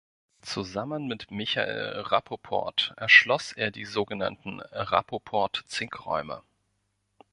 Zusammen mit Michael Rapoport erschloss er die sogenannten Rapoport-Zink-Räume.